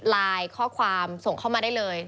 ไลน์ข้อความส่งเข้ามาได้เลย